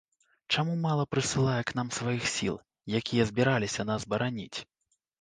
Чаму мала прысылае к нам сваіх сіл, якія збіраліся нас бараніць.